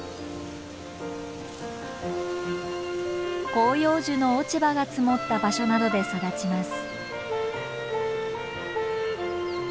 広葉樹の落ち葉が積もった場所などで育ちます。